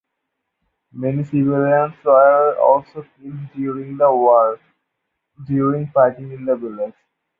Many civilians were also killed during the war during fighting in the village.